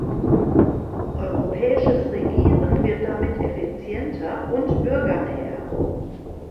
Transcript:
Europäisches Regieren wird damit effizienter und bürgernäher.